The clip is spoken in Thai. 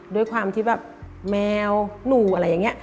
ด้วยความที่แบบแมวหนูอะไรอย่างนี้